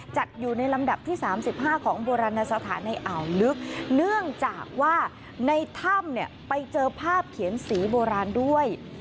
จัดอยู่ในลำดับที่๓๕ของโบราณสถานในอ่าวลึกเนื่องจากว่าในถ้ำเนี่ยไปเจอภาพเขียนสีโบราณด้วย